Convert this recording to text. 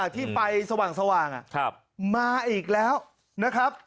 ที่ไฟสว่างมาอีกแล้วนะครับ